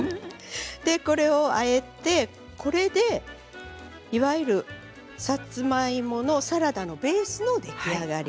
これをあえていわゆる、さつまいものサラダのベースの出来上がり。